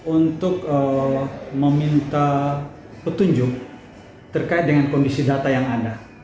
untuk meminta petunjuk terkait dengan kondisi data yang ada